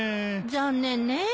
残念ねえ